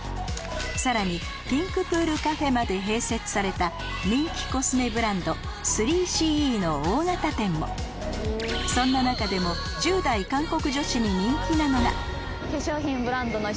さらにピンクプールカフェまで併設された人気コスメブランド３ＣＥの大型店もそんな中でもというとこでここ。